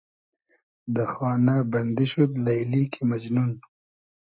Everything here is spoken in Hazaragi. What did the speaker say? دۂ خانۂ بئندی شود لݷلی کی مئجنون